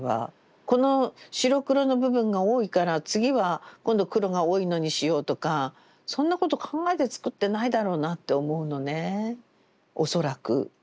この白黒の部分が多いから次は今度黒が多いのにしようとかそんなこと考えてつくってないだろうなって思うのね恐らく。